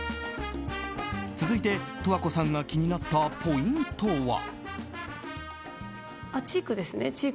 続いて、十和子さんが気になったポイントは。